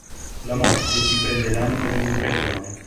La Morte si prende l'anima di un ubriacone.